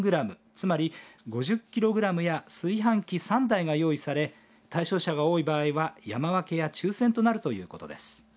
つまり５０キログラムや炊飯器３台が用意され対象者が多い場合は山分けや抽せんとなるということです。